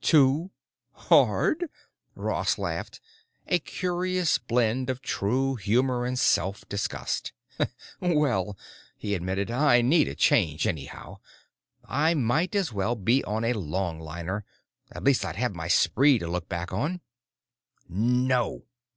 "Too hard!" Ross laughed, a curious blend of true humor and self disgust. "Well," he admitted, "I need a change, anyhow. I might as well be on a longliner. At least I'd have my spree to look back on." "No!"